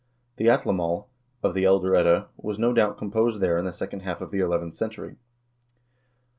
The "Atlamal" of the "Elder Edda" was, no doubt, composed there in the second half of the eleventh century.